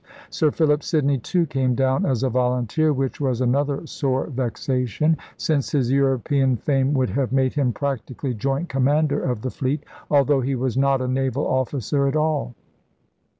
Sir Philip Sidney, too, came down as a volunteer; which was another sore vexation, since his European fame would have made him practically joint commander of the fleet, although he was not a naval officer at all.